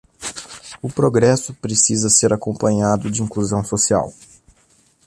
O progresso precisa ser acompanhado de inclusão social